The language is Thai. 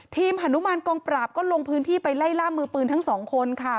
มหานุมานกองปราบก็ลงพื้นที่ไปไล่ล่ามือปืนทั้งสองคนค่ะ